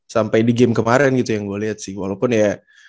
sampai di game kemarin gitu yang gue liat sih walaupun ya